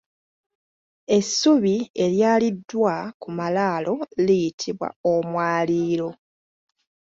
Essubi eryaliriddwa ku malaalo liyitibwa omwaliiro.